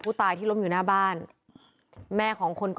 พุ่งเข้ามาแล้วกับแม่แค่สองคน